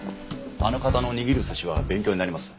あの方の握る寿司は勉強になります。